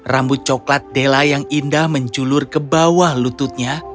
rambut coklat della yang indah menjulur ke bawah lututnya